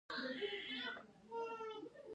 هغه دې په مناسبو جملو کې وکاروي په پښتو ژبه.